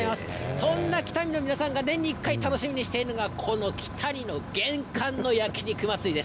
そんな北見の皆さんが年に一回楽しみにしているのが、この北見の厳寒の焼き肉まつりです。